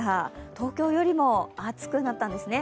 東京よりも暑くなったんですね。